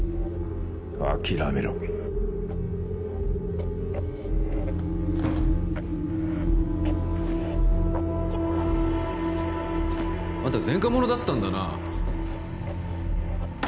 諦めろあんた前科者だったんだな